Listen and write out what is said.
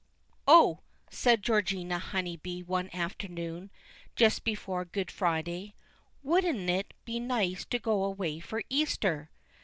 "Oh!" said Georgina Honeybee one afternoon, just before Good Friday, "wouldn't it be nice to go away for Easter?"